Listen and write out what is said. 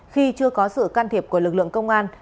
khi chưa có sự can thiệp của lực lượng công an